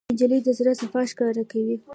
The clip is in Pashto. نجلۍ د زړه صفا ښکاره کوي.